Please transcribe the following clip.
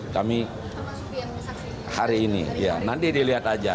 kami hari ini nanti dilihat saja